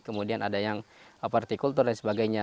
kemudian ada yang apartikultur dan sebagainya